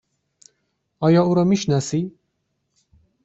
آیا او را می شناسی؟